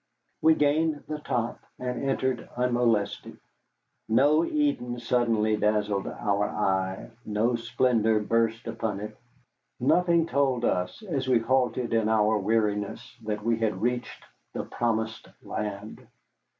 We gained the top, and entered unmolested. No Eden suddenly dazzled our eye, no splendor burst upon it. Nothing told us, as we halted in our weariness, that we had reached the Promised Land.